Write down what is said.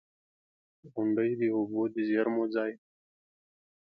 • غونډۍ د اوبو د زیرمو ځای دی.